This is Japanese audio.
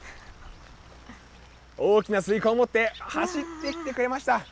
大きなスイカを持って走ってきてくれました。